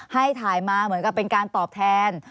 ให้ถ่ายมาเหมือนกับเป็นการตอบแทน